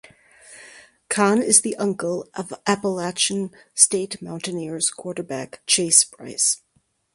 Conn is the uncle of Appalachian State Mountaineers quarterback Chase Brice.